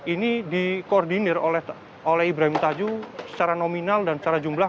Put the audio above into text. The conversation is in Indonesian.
ini dikoordinir oleh ibrahim tajuh secara nominal dan secara jumlah